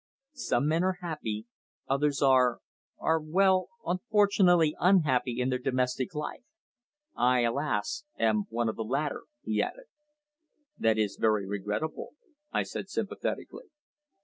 "Some men are happy, others are are, well, unfortunately unhappy in their domestic life. I, alas! am one of the latter," he added. "That is very regrettable," I said sympathetically.